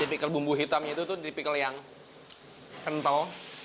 tipikal bumbu hitamnya itu tuh tipikal yang kental